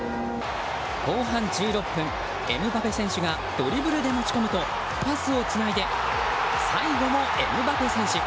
後半１６分、エムバペ選手がドリブルで持ち込むとパスをつないで最後もエムバペ選手。